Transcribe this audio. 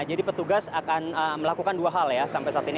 jadi petugas akan melakukan dua hal ya sampai saat ini